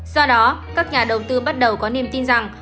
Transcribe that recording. do đó các nhà đầu tư bắt đầu có niềm tin rằng